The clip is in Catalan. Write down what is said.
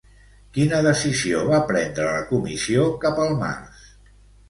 Quina decisió va prendre la Comissió cap al març?